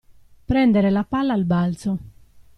Prendere la palla al balzo.